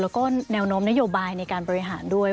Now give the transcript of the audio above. แล้วก็แนวโน้มนโยบายในการบริหารด้วย